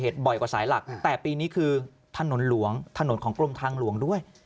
แต่ปีนี้คือถนนหลวงถนนของกรมทางหลวงด้วย